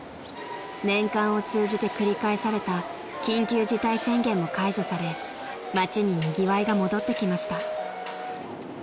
［年間を通じて繰り返された緊急事態宣言も解除され街ににぎわいが戻ってきました］